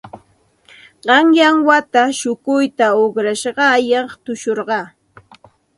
Qanyan wata shukuyta uqrashqayaq tushurqaa.